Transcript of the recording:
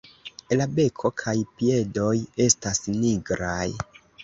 La beko kaj piedoj estas nigraj.